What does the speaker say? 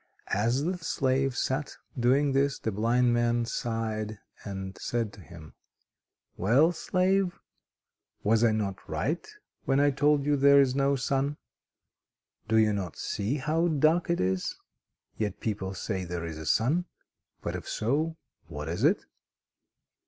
As the slave sat doing this, the blind man sighed and said to him: "Well, slave, was I not right when I told you there is no sun? Do you not see how dark it is? Yet people say there is a sun.... But if so, what is it?"